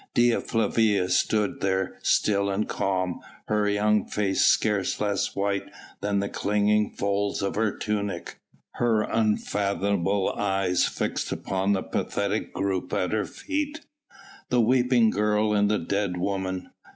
Dea Flavia stood there still and calm, her young face scarce less white than the clinging folds of her tunic, her unfathomable eyes fixed upon the pathetic group at her feet: the weeping girl and the dead woman.